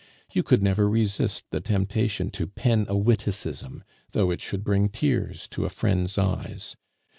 You could never resist the temptation to pen a witticism, though it should bring tears to a friend's eyes.